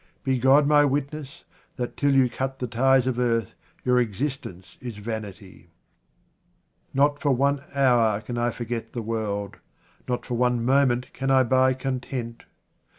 Be God my witness that till you cut the ties of earth your existence is vanity. Not for one hour can 1 forget the world, not for one moment can I buy content.